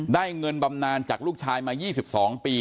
เงินบำนานจากลูกชายมา๒๒ปี